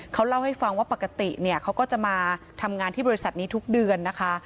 เขาเล่าให้ฟังว่าปกติเนี่ยเขาก็จะมาทำงานที่บริษัทนี้ทุกเดือนนะคะ